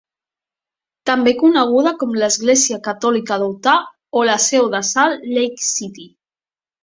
També coneguda com l'església catòlica de Utah o la Seu de Salt Lake City.